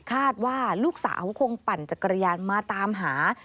คาดว่าลูกสาวคงปั่นจักรยานมาตามหา